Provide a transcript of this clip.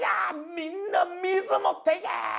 みんな水持っていけ！」。